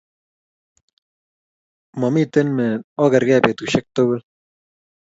Mamiten me ogergei betushiek tugul